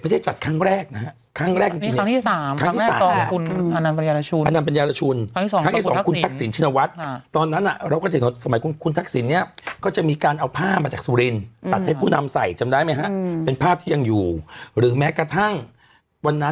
ไม่ใช่จัดครั้งแรกนะฮะครั้งแรกนี่ครั้งที่สามครั้งที่สามครั้งที่สาม